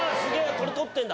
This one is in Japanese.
これ撮ってんだ！